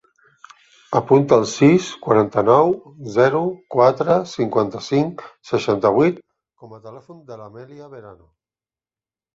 Apunta el sis, quaranta-nou, zero, quatre, cinquanta-cinc, setanta-vuit com a telèfon de l'Amèlia Verano.